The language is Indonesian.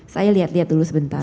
saya lihat lihat dulu sebentar